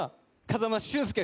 風間俊介